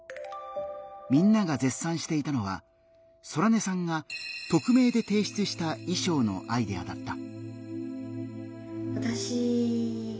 みんなが絶賛していたのはソラネさんが匿名で提出した衣装のアイデアだった。